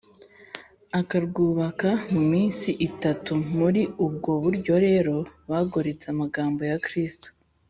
akarwubaka mu minsi itatu” muri ubwo buryo rero bagoretse amagambo ya kristo